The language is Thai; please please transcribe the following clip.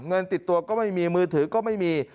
เงินติดตัวก็ไม่มีมือถือก็ไม่มี